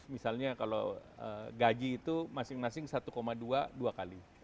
misalnya kalau gaji itu masing masing satu dua dua kali